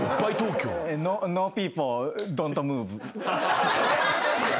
ノーピーポードントムーブ。